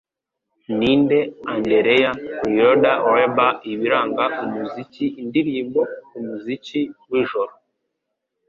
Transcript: Ninde Andereya Lloyd Webber Ibiranga Umuziki Indirimbo “Umuziki w'ijoro”?